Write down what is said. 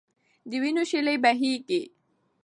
د وینو شېلې بهېږي.